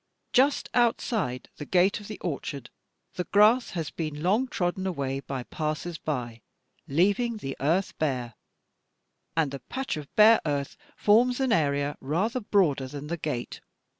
Just outside the gate of the orchard, the grass has been long trodden away by passers by, leaving the earth bare; and the patch of bare earth forms an area rather broader than the gate.